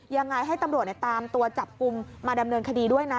ยังไงให้ตำรวจตามตัวจับกลุ่มมาดำเนินคดีด้วยนะ